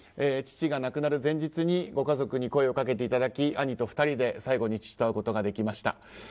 父が亡くなる前日にご家族に声をかけていただき兄と２人で最後に父と会うことができました。